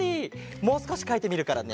もうすこしかいてみるからね。